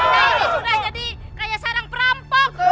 desa ini sudah jadi kayak sarang perampok